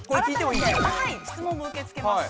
質問も受け付けます。